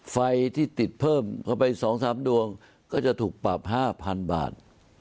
ไฟที่ติดเพิ่มเข้าไป๒๓ดวงก็จะถูกปรับ๕๐๐๐บาท